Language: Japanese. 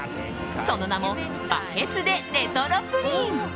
その名もバケツｄｅレトロプリン。